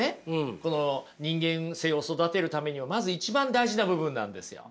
この人間性を育てるためにはまず一番大事な部分なんですよ。